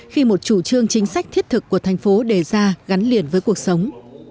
khi một chủ trương chính sách thiết thực của thành phố đề ra gắn liền với cuộc sống